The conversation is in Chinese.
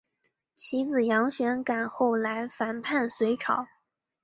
其子杨玄感后来反叛隋朝。